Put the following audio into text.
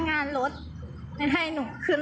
เพราะไม่ให้หนูกลับกลับ